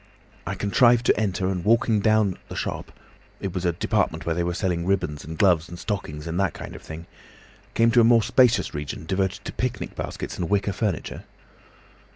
I contrived to enter, and walking down the shop—it was a department where they were selling ribbons and gloves and stockings and that kind of thing—came to a more spacious region devoted to picnic baskets and wicker furniture.